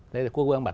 thế thì quốc vương bảo